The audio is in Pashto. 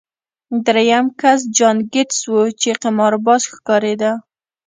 درېیم کس جان ګیټس و چې قمارباز ښکارېده